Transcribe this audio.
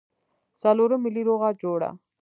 څلورم ملي روغه جوړه.